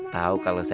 tahu kalau saya